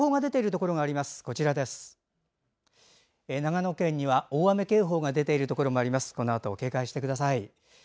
このあとも警戒してください。